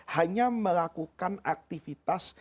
hanya melakukan aktivitas